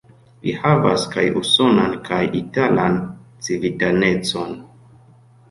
Li havas kaj usonan kaj italan civitanecon.